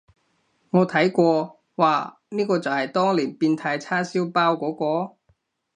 我睇過，嘩，呢個就係當年變態叉燒包嗰個？